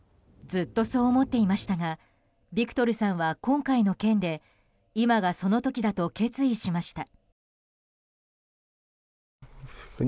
ずっと、そう思っていましたがビクトルさんは今回の件で今がその時だと決意しました。